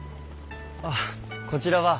ああこちらは。